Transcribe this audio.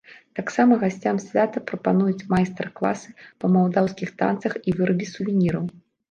Таксама гасцям свята прапануюць майстар-класы па малдаўскіх танцах і вырабе сувеніраў.